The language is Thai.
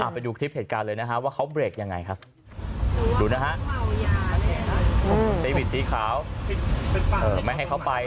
ไปดูคลิปเหตุการณ์เลยนะฮะว่าเขาเบรกยังไงครับดูนะฮะ